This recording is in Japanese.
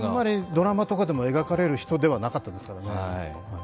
ドラマとかでも、あまり描かれる人ではなかったですからね。